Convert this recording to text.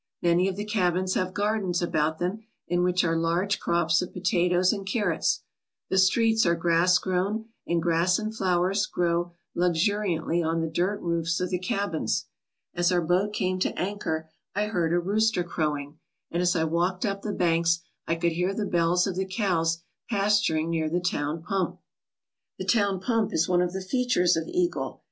Many of the cabins have gardens about them in which are large crops of potatoes and carrots. The streets are grass grown, and grass and flowers grow luxuriantly on the dirt roofs of the cabins. As our boat came to anchor I heard a rooster crowing, and as I walked up the banks I could hear the bells of the cows pasturing near the town pump. The town pump is one of the features of Eagle.